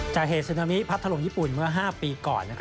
เหตุซึนามิพัดถล่มญี่ปุ่นเมื่อ๕ปีก่อน